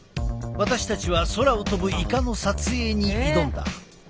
私たちは空を飛ぶイカの撮影に挑んだ。